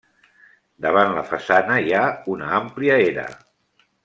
Davant la façana hi ha una àmplia era.